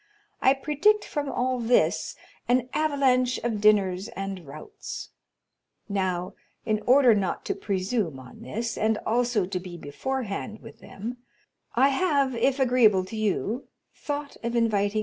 I predict from all this an avalanche of dinners and routs. Now, in order not to presume on this, and also to be beforehand with them, I have, if agreeable to you, thought of inviting M.